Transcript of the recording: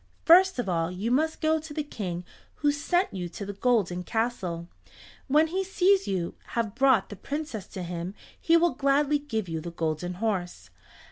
First of all you must go to the King who sent you to the golden castle. When he sees you have brought the Princess to him, he will gladly give you the Golden Horse.